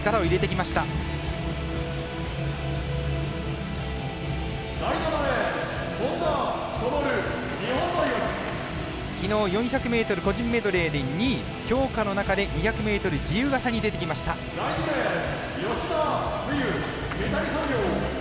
きのう４００ｍ個人メドレーで２位、強化の中で２００ｍ自由形に出てきました本多。